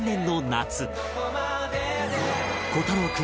虎太朗君